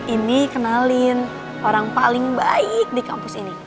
ini kenalin orang paling baik di kampus ini